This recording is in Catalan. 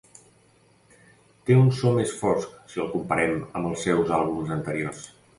Té un so més fosc si el comparem amb els seus àlbums anteriors.